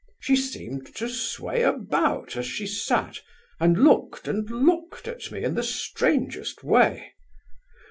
She seemed to sway about as she sat, and looked and looked at me in the strangest way.